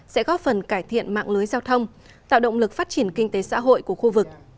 sẽ góp phần cải thiện mạng lưới giao thông tạo động lực phát triển kinh tế xã hội của khu vực